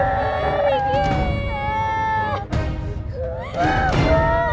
papa jangan pergi